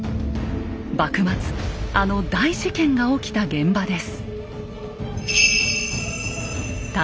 幕末あの大事件が起きた現場です。